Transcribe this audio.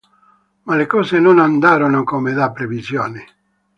Ma le cose non andarono come da previsioni.